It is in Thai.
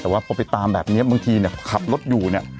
แต่ว่าพอไปตามแบบนี้บางทีเนี่ยขับรถอยู่เนี่ย